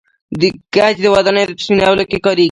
ګچ د ودانیو په سپینولو کې کاریږي.